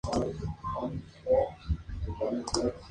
La fotografía fue tomada por Richard Polak.